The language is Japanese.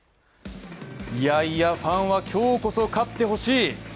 いやいや、ファンは今日こそ、勝ってほしい。